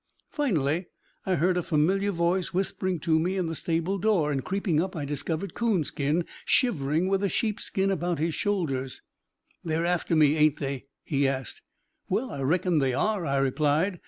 Finally, I heard a familiar voice whispering to me in the stable door, and creeping up I discovered Coonskin shivering with a sheepskin about his shoulders. "They're after me, ain't they?" he asked. "Well, I reckon they are," I replied.